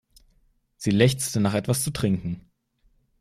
Sie lechzte nach etwas zu trinken.